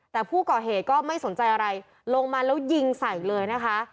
แต่ผู้ก่อเหตุก็ไม่สนใจอะไรลงมาแล้วยิงใส่เลยนะคะ